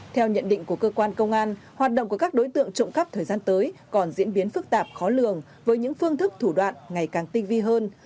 theo nhận định của cơ quan công an hoạt động của các đối tượng trộm cắp thời gian tới còn diễn biến phức tạp khó lường với những phương thức thủ đoạn ngày càng tinh vi hơn